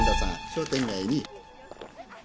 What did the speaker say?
商店街に。